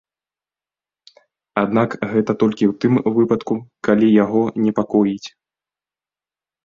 Аднак гэта толькі ў тым выпадку, калі яго непакоіць.